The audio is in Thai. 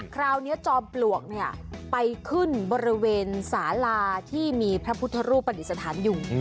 คราวนี้จอมปลวกไปขึ้นบริเวณสาลาที่มีพระพุทธรูปปฏิสถานอยู่